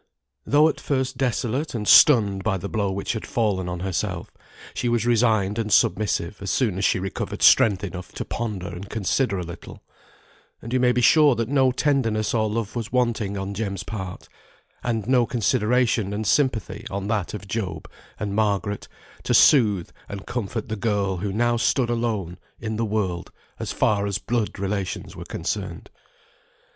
Though at first desolate and stunned by the blow which had fallen on herself, she was resigned and submissive as soon as she recovered strength enough to ponder and consider a little; and you may be sure that no tenderness or love was wanting on Jem's part, and no consideration and sympathy on that of Job and Margaret, to soothe and comfort the girl who now stood alone in the world as far as blood relations were concerned.